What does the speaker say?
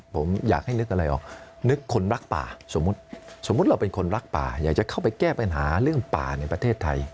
ผมอยากให้นึกอะไรออกนึกคนรักป่าสมมุติสมมุติเราเป็นคนรักป่าอยากจะเข้าไปแก้ปัญหาเรื่องป่าในประเทศไทย